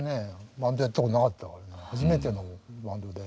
バンドやったことなかったからね初めてのバンドで。